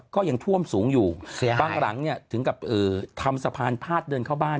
ก็ยังท่วมสูงอยู่บางหลังเนี่ยถึงกับทำสะพานพาดเดินเข้าบ้าน